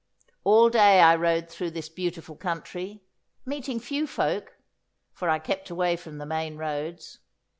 All day I rode through this beautiful country, meeting few folk, for I kept away from the main roads.